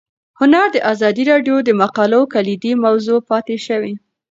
هنر د ازادي راډیو د مقالو کلیدي موضوع پاتې شوی.